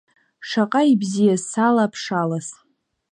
Шаҟа ибзиаз сала аԥшалас…